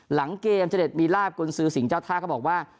หลังเกมมีลาบกุญศือสิ่งเจ้าท่าก็บอกว่า